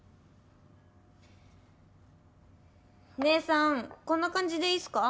姐さんこんな感じでいいっすか？